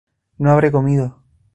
No habré comido